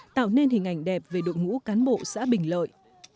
tạo nên hình ảnh đẹp về đội ngũ cán bộ xã bình lợi